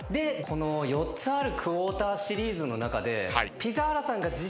この４つあるクォーターシリーズの中で。